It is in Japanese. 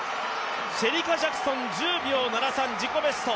シェリカ・ジャクソン１０秒７３自己ベスト。